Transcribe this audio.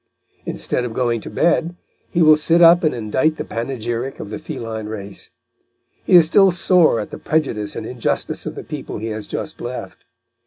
Instead of going to bed he will sit up and indite the panegyric of the feline race. He is still sore at the prejudice and injustice of the people he has just left.